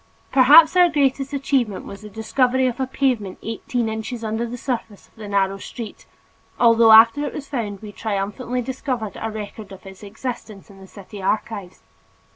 Perhaps our greatest achievement was the discovery of a pavement eighteen inches under the surface in a narrow street, although after it was found we triumphantly discovered a record of its existence in the city archives.